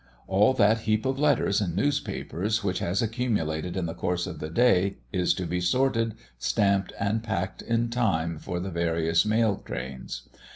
All that heap of letters and newspapers which has accumulated in the course of the day is to be sorted, stamped, and packed in time for the various mail trains.